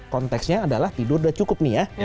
konteksnya adalah tidur udah cukup nih ya